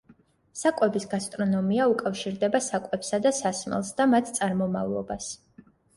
საკვების გასტრონომია უკავშირდება საკვებსა და სასმელს და მათ წარმომავლობას.